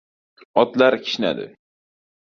Otlar kishnadi.